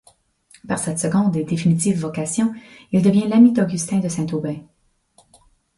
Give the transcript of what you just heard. Par cette seconde et définitive vocation, il devient l'ami d'Augustin de Saint-Aubin.